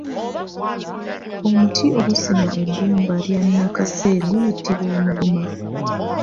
Omuti ogusima ebbumba lya Nakase guyitibwa Omuguma.